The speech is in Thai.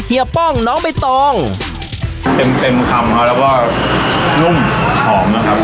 ป้องน้องใบตองเต็มเต็มคำครับแล้วก็นุ่มหอมนะครับ